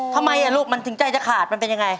ทำไมลูกมันถึงใจจะขาดมันเป็นยังไง